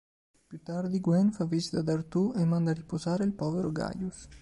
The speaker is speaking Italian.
Più tardi Gwen fa visita ad Artù e manda a riposare il povero Gaius.